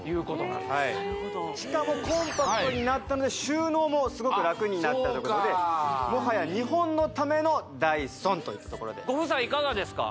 なるほどしかもコンパクトになったので収納もすごく楽になったということでもはや日本のためのダイソンといったところでご夫妻いかがですか？